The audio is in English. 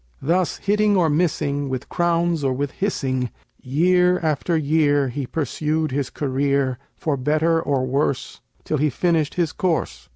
Thus hitting or missing, with crowns or with hissing, Year after year he pursued his career, For better or worse, till he finished his course.